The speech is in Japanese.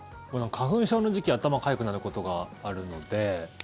花粉症の時期頭かゆくなることがあるので。